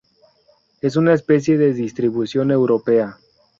Es una especie de distribución europea.